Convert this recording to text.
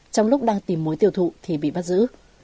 trong lúc đang tìm mối tiêu thụ thì bị bắt giữ